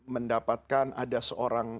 mendapatkan ada seorang